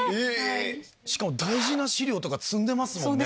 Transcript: しかも大事な資料とか積んでますもんね？